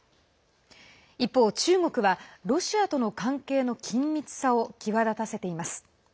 一方、中国は、ロシアとの関係の緊密さを際立たせています。